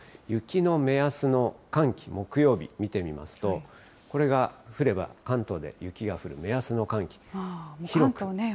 雪の目安の寒気、木曜日、見てみますと、これが降れば関東で雪が降る目安の寒気。